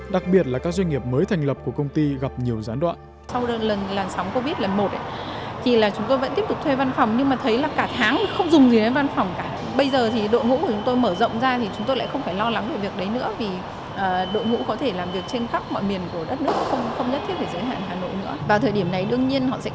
đặc biệt là các doanh nghiệp mới thành lập của công ty gặp nhiều gián đoạn